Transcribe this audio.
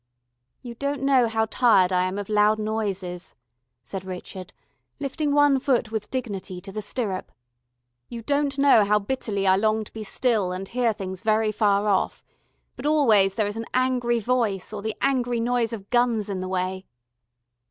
"You don't know how tired I am of loud noises," said Richard, lifting one foot with dignity to the stirrup. "You don't know how bitterly I long to be still and hear things very far off ... but always there is an angry voice or the angry noise of guns in the way...."